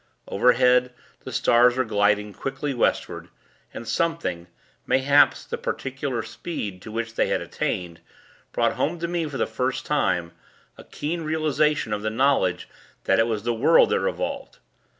Overhead, the stars were sliding quickly Westward; and something, mayhaps the particular speed to which they had attained, brought home to me, for the first time, a keen realization of the knowledge that it was the world that revolved.